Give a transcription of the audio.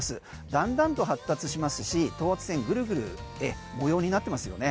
だんだんと発達しますし等圧線、ぐるぐる模様になってますよね。